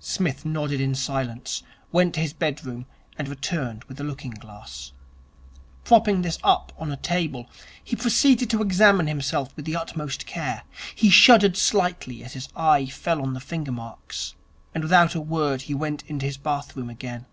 Psmith nodded in silence, went to his bedroom, and returned with a looking glass. Propping this up on a table, he proceeded to examine himself with the utmost care. He shuddered slightly as his eye fell on the finger marks; and without a word he went into his bathroom again.